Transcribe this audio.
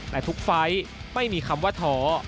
แต่ทุกไฟล์ไม่มีคำว่าท้อ